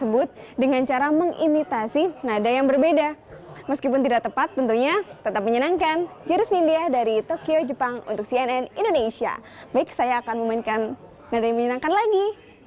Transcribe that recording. baik saya akan memainkan nada yang menyenangkan lagi